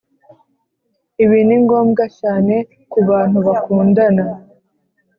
ibi ni ngombwa cyane ku bantu bakundana,